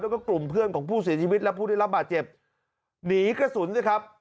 แล้วก็กลุ่มเพื่อนของผู้เสียชีวิตและผู้ได้รับบาดเจ็บหนีกระสุนสิครับ